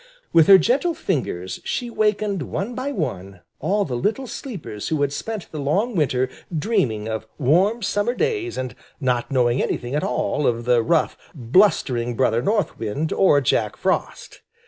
With her gentle fingers she wakened one by one all the little sleepers who had spent the long winter dreaming of warm summer days and not knowing anything at all of rough, blustering Brother North Wind or Jack Frost.